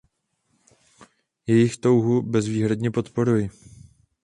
Jejich touhu bezvýhradně podporuji.